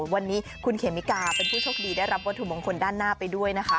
วันนี้คุณเขมิกาเป็นผู้โชคดีได้รับวัตถุมงคลด้านหน้าไปด้วยนะคะ